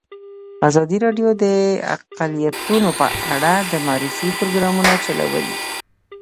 ازادي راډیو د اقلیتونه په اړه د معارفې پروګرامونه چلولي.